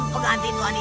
para gereja gendut